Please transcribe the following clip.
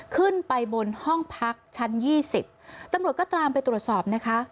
ขึ้นไปบนห้องพักชั้นยี่สิบตำรวจก็ตามไปตรวจสอบนะคะ